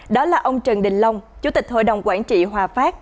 đó là ông trần đình long chủ tịch hội đồng quản trị hòa phát